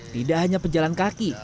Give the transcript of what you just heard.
tidak hanya pejalan kaki